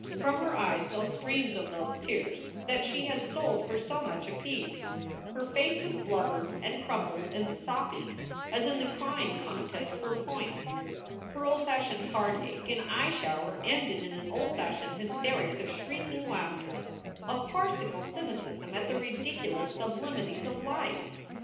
From her eyes fell streams of those tears that she had sold for so much apiece. Her face was blubbered and crumpled and soppy as in the crying contest for points. Her old fashioned heartache and eye shower ended in an old fashioned hysterics of shrieking laughter, of farcical cynicism at the ridiculous sublimities of life.